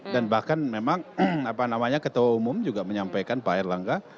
dan bahkan memang ketua umum juga menyampaikan pak erlangga